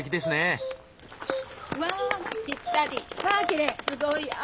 すごい。